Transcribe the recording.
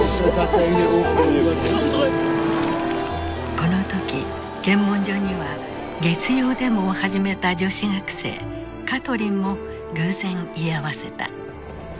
この時検問所には月曜デモを始めた女子学生カトリンも偶然居合わせた。